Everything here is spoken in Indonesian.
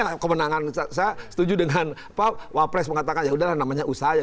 tapi kemenangan saya setuju dengan pak wapres mengatakan yaudah lah namanya usaha